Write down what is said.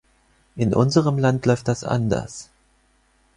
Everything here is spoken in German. In unserem Land läuft das anders.